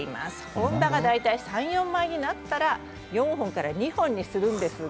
本葉が３枚から４枚になったら４本から２本にするんですが